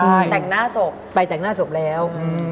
ใช่แต่งหน้าศพไปแต่งหน้าศพแล้ว